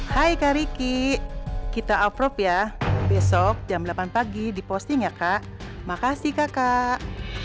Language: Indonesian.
hai kak ricky kita uproar ya besok jam delapan pagi di posting ya kak makasih kakak